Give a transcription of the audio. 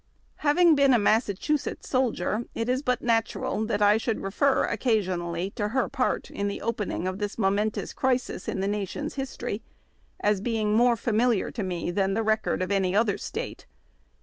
Having been a Massachusetts soldier, it is but natural that I should refer occasionally to her part in the opening THE TOCSIN OF WAR. 23 of this momentous crisis in the country's liistory, us beino more familiar to me than the record of any other State.